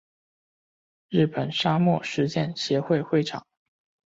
日本沙漠实践协会会长。